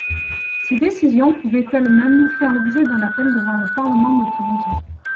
Ses décisions pouvaient elles-mêmes faire l’objet d’un appel devant le Parlement de Toulouse.